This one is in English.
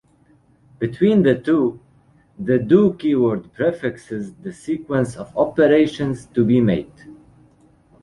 Between the two, the do keyword prefixes the sequence of operations to be made.